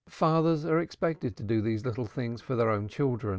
"Fathers are expected to do these little things for their own children.